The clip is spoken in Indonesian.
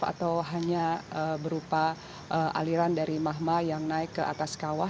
atau hanya berupa aliran dari mahma yang naik ke atas kawah